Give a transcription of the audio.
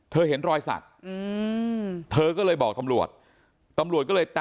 เธอเห็นรอยสักเธอก็เลยบอกตำรวจ